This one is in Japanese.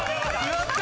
やった！